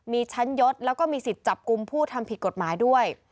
มีชั้นยศแล้วก็มีสิทธิ์จับกลุ่มผู้ทำผิดกฎหมายด้วย